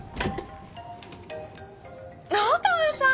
野川さん！